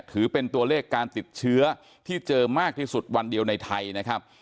ถือเป็นตัวเลขการติดเชื้อที่เจอมากที่สุดวันเดียวในไทยนะครับ